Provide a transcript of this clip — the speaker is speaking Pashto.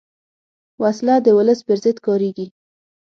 وسله د ولس پر ضد کارېږي